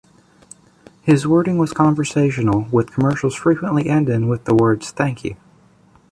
His wording was conversational, with commercials frequently ending with the words "Thank You".